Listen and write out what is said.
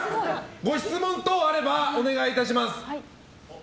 ご質問等あればお願いいたします。